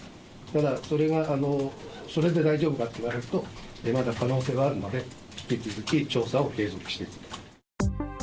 ただ、それがそれで大丈夫かっていわれると、まだ可能性はあるので、引き続き調査を継続していくと。